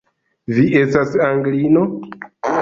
Vi estas Anglino?